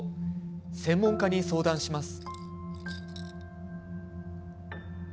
専門家に相談します。